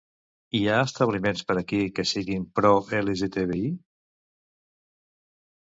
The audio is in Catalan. Hi ha establiments per aquí que siguin pro-LGTBI?